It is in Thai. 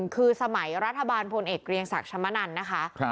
คือสมัยรัฐบาลพลเอกเกรียงศักดิ์ชมนันนะคะ